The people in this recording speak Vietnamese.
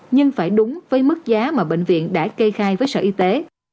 nhưng phải đúng với mức giá mà bệnh viện đã kê khai với sở y tế